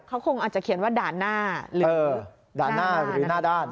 เขาคงอาจจะเขียนว่าด่านหน้าหรือหน้าด้าน